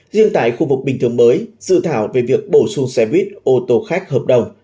riêng tại khu vực bình thường mới dự thảo về việc bổ sung xe buýt ô tô khách hợp đồng